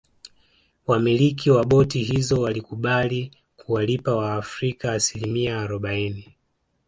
Wamiliki wa boti hizo walikubali kuwalipa waafrika asimilia arobaini